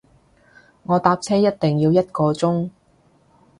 我搭車一定要一個鐘